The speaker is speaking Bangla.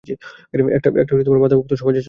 একটা মাদকমুক্ত সমাজের জন্য।